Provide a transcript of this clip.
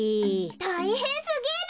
たいへんすぎる。